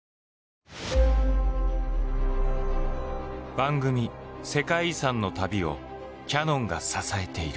番組「世界遺産」の旅をキヤノンが支えている。